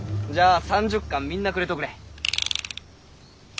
じゃあ３０貫みんなくれとくれ。